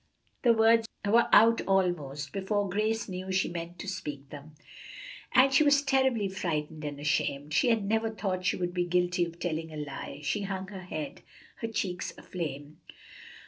The words were out almost before Grace knew she meant to speak them, and she was terribly frightened and ashamed. She had never thought she would be guilty of telling a lie. She hung her head, her cheeks aflame.